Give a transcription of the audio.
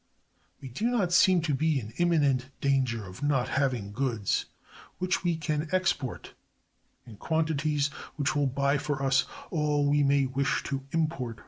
We do not seem to be in imminent danger of not having goods which we can export in quantities which will buy for us all we may wish to import from abroad.